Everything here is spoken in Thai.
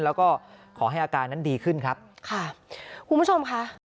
แล้วก็ขอให้อาการนั้นดีขึ้นครับค่ะคุณผู้ชมค่ะ